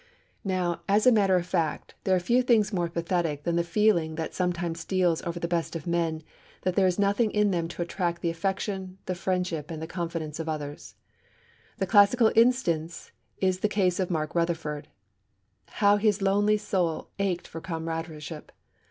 Now, as a matter of fact, there are few things more pathetic than the feeling that sometimes steals over the best of men, that there is nothing in them to attract the affection, the friendship, and the confidence of others. The classical instance is the case of Mark Rutherford. How his lonely soul ached for comradeship!